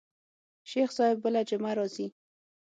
شيخ صاحب بله جمعه راځي.